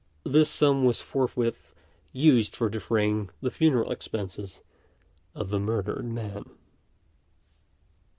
This sum was forthwith used for defraying the funeral expenses of the murdered man.